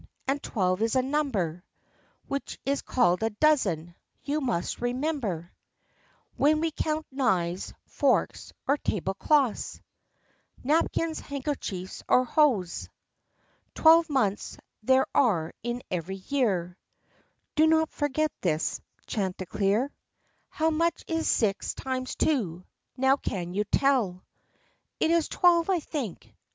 And twelve is a number Which is called a dozen, you must remember, When we count knives, forks, or tablecloths, Napkins, handkerchiefs, or hose. Twelve months there are in every year; Ho not forget this, Chanticleer. How much is six times two — now can you tell?" " It is twelve, I think."